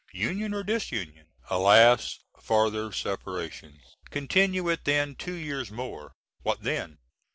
Union or dis union? Alas, farther separation. Continue it then two years more. What then?